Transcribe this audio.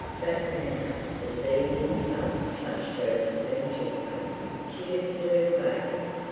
But now? The thieving sun touched Josephine gently. She lifted her face.